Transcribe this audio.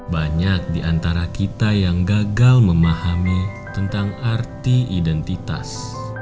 banyak di antara kita yang gagal memahami tentang arti identitas